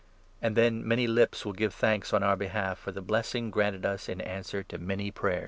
And 1 1 then many lips will give thanks on our behalf for the blessing granted us in answer to many prayers.